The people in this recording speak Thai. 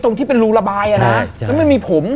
ตรงที่เป็นรูระบายอ่ะนะแล้วไม่มีผม